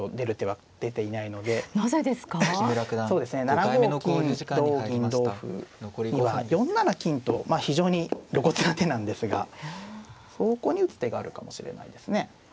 ７五金同銀同歩には４七金と非常に露骨な手なんですがそこに打つ手があるかもしれないですね。